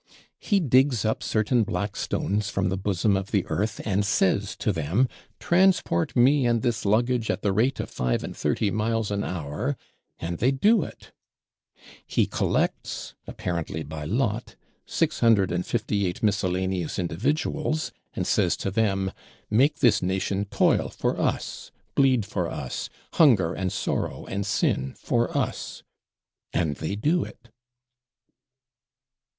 He digs up certain black stones from the bosom of the earth, and says to them, Transport me and this luggage at the rate of five and thirty miles an hour; and they do it: he collects, apparently by lot, six hundred and fifty eight miscellaneous individuals, and says to them, Make this nation toil for us, bleed for us, hunger and sorrow and sin for us; and they do it."